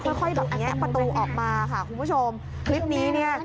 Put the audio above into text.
ค่อยค่อยแบบแงะประตูออกมาค่ะคุณผู้ชมคลิปนี้เนี่ย